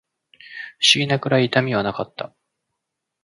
不思議なくらい痛みはなかった